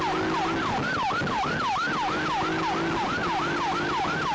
โปรดติดตามตอนต่อไป